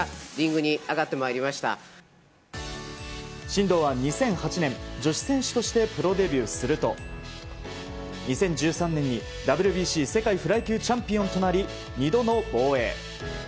真道は２００８年女子選手としてプロデビューすると２０１３年にＷＢＣ女子世界フライ級チャンピオンとなり２度の防衛。